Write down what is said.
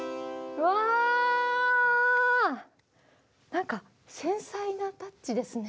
何か繊細なタッチですね。